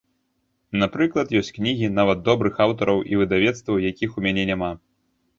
Напрыклад, ёсць кнігі, нават добрых аўтараў і выдавецтваў, якіх у мяне няма.